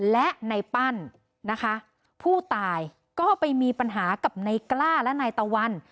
และในปั้นนะคะผู้ตายก็ไปมีปัญหากับนายกล้าและนายตะวัน